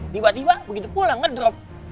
tiba tiba begitu pulang itu ia miring